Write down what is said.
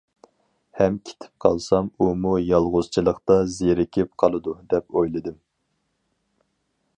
ھەم كېتىپ قالسام ئۇمۇ يالغۇزچىلىقتا زېرىكىپ قالىدۇ دەپ ئويلىدىم.